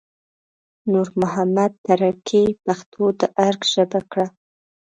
نور محمد تره کي پښتو د ارګ ژبه کړه